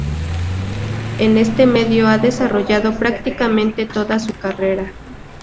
En este medio ha desarrollado prácticamente toda su carrera.